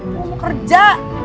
lo mau kerja